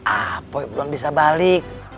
ah pokoknya belum bisa balik